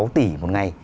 bốn sáu tỷ một ngày